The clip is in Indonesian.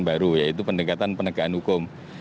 baru yaitu pendekatan penegakan hukum